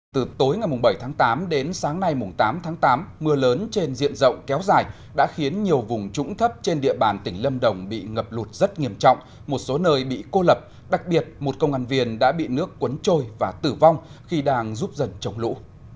từ tối ngày bảy tháng tám đến sáng nay tám tháng tám mưa lớn trên diện rộng kéo dài đã khiến nhiều vùng trũng thấp trên địa bàn tỉnh lâm đồng bị ngập lụt rất nghiêm trọng một số nơi bị cô lập đặc biệt một công an viên đã bị nước cuốn trôi và tử vong khi đang giúp dần chống lũ